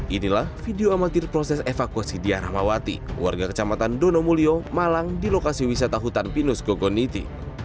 inilah video amatir proses evakuasi diah rahmawati warga kecamatan donomulyo malang di lokasi wisata hutan pinus gogoniti